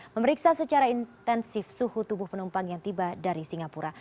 memeriksa secara intensif suhu tubuh penumpang yang tiba dari singapura